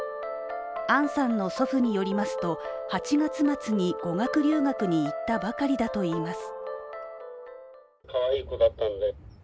杏さんの祖父によりますと８月末に語学留学に行ったばかりだといいます。